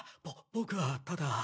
僕はただ。